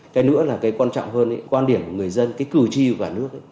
cái nữa là cái quan trọng hơn quan điểm của người dân cái cử tri của cả nước